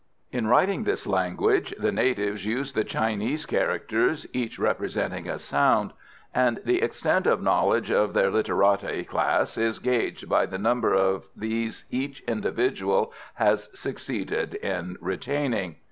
In writing this language the natives use the Chinese characters, each representing a sound; and the extent of knowledge of their literati class is gauged by the number of these each individual has succeeded in retaining.